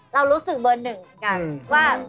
เรารู้สึกเบอร์๑อยู่ใกล้